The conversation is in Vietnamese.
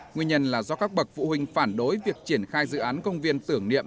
nguyên nhân là do các bậc phụ huynh phản đối việc triển khai dự án công viên tưởng niệm